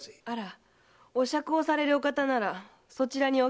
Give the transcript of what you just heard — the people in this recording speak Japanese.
お酌をされるお方ならそちらにお綺麗どころが。